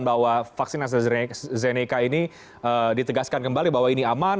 bahwa vaksin astrazeneca ini ditegaskan kembali bahwa ini aman